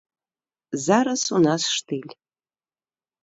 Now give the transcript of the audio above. Зараз у нас штыль.